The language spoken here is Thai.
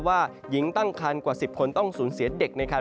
ว่าหญิงตั้งคันกว่า๑๐คนต้องสูญเสียเด็กนะครับ